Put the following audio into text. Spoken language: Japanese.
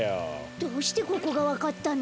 どうしてここがわかったの？